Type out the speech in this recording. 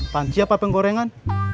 panci apa penggorengan